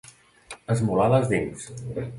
Esmolar les dents.